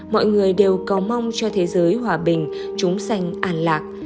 mọi người đều cầu mong cho thế giới hòa bình chúng xanh an lạc